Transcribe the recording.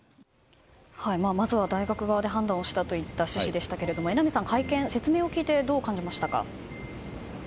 まず大学側で判断したといった趣旨でしたが榎並さん、会見、説明を聞いてどう感じましたか。